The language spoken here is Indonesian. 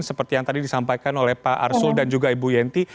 seperti yang tadi disampaikan oleh pak arsul dan juga ibu yenti